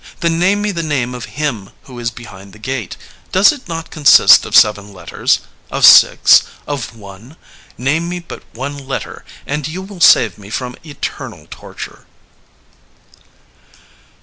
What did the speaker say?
Then name me the name of Him who is behind the gate. ... Does it not consist of seven letters? Of six? Of one? Name me but one letter and you will save me from eternal torture."